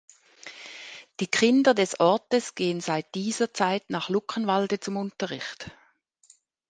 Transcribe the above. Die Kinder des Ortes gehen seit dieser Zeit nach Luckenwalde zum Unterricht.